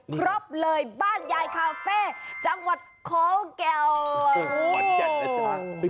ครบเลยบ้านยายคาเฟ่จังหวัดคอแก่ว